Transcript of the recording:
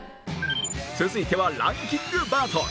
続いてはランキングバトル